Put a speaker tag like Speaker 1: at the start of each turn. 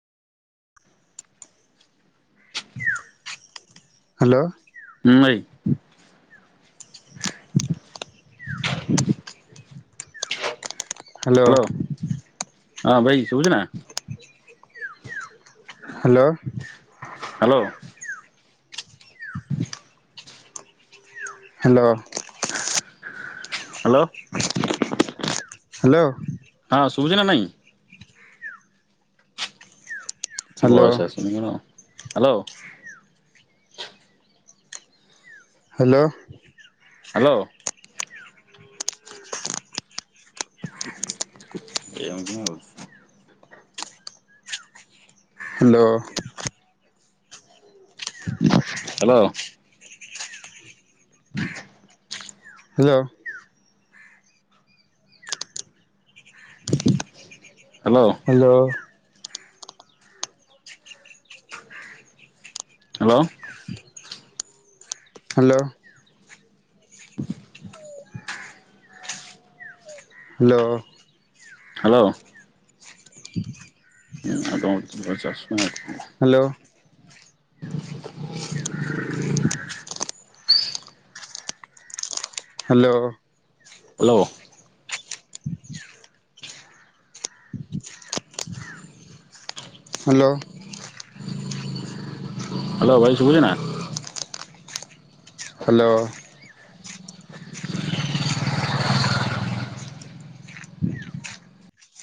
Speaker 1: Hello.
Speaker 2: ହୁଁ ଭାଇ।
Speaker 1: Hello
Speaker 2: hello. ହଁ ଭାଇ ଶୁବୁଚି ନା?
Speaker 1: Hello.
Speaker 2: Hello.
Speaker 1: Hello.
Speaker 2: Hello.
Speaker 1: Hello.
Speaker 2: ହଁ ଶୁବୁଚି ନା ନାଇଁ? କିଛି
Speaker 1: ହ୍ୟାଲୋ
Speaker 2: ଭଏସ ଆସୁନି କଣ? Hello.
Speaker 1: Hello.
Speaker 2: Hello. [unintelligible]
Speaker 1: Hello.
Speaker 2: Hello.
Speaker 1: Hello. Hello. ହ [inaudible]
Speaker 2: ହ୍ୟାଲୋ।
Speaker 1: ହ୍ୟାଲୋ। ହ୍ୟାଲୋ।
Speaker 2: ହ୍ୟାଲୋ।
Speaker 1: [inaudible]
Speaker 2: ହୁଁ ଆ ଚାଷ
Speaker 1: hello. Hello.
Speaker 2: Hello.
Speaker 1: [inaudible] Hello.
Speaker 2: Hello ଭାଇ ଶୁଭୁଛି ନା।
Speaker 1: ହ୍ୟାଲୋ।